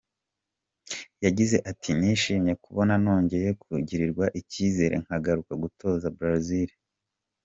Yagize ati “Nishimiye kuba nongeye kugirirwa icyizere nkagaruka gutoza Brazil.